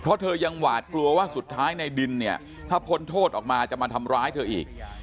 เพราะเธอยังหวาดกลัวว่าสุดท้ายในดินเนี่ยถ้าพ้นโทษออกมาจะมาทำร้ายเธออีก